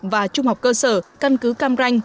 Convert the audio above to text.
và trung học cơ sở căn cứ cam ranh